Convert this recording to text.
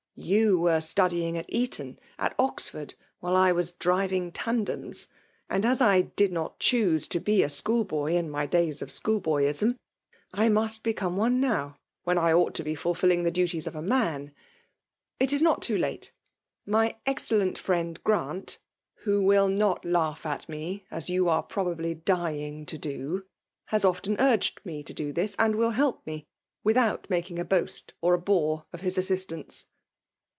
17m were studying at Eton^ at Oxfiord, when I was driving tandems ; and as I did not dioose to be a schoolboy in my days of adioolboyism, I Bost become one now, when I ought to be fill* fining the duties of a man. — ^It is not too late. My exeelkiil friend Grant (who will not Im^ 1 80 WKXBIX DOMIX^nOlt. it me^ as yov aie probably dying to do) ban often urged me to Uns, and will help me, tfithout making a boast or a bore of bis assist ance."